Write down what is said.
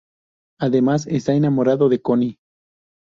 Además está enamorado de Conny.